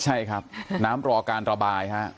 ใช่ครับน้ำรอการระบายฮะ